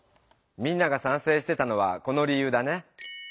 みんながさんせいしてたのはこのりゆうだね。